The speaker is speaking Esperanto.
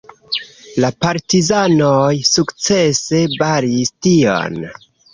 La partizanoj sukcese baris tion.